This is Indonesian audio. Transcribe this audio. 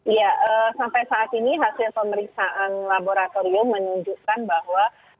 ya sampai saat ini hasil pemeriksaan laboratorium menunjukkan bahwa